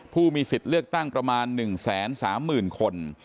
ผู้มีสิทธิ์เลือกตั้งประมาณ๑๓๐๐๐คน